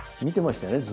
見てました。